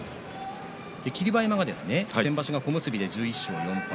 霧馬山は先場所小結で１１勝４敗。